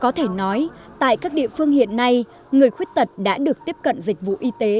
có thể nói tại các địa phương hiện nay người khuyết tật đã được tiếp cận dịch vụ y tế